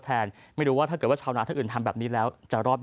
แอบมองส่งใส่ตา